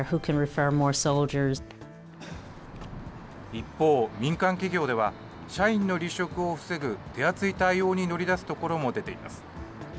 一方、民間企業では、社員の離職を防ぐ、手厚い対応に乗り出すところも出ています。